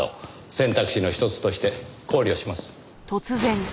選択肢のひとつとして考慮します。